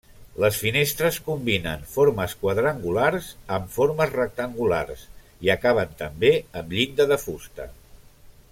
Les finestres combinen formes quadrangulars amb formes rectangulars i acaben també amb llinda de fusta.